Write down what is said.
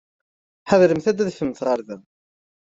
Ḥadremt ad d-tadfemt ɣer da!